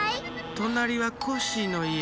となりはコッシーのいえ。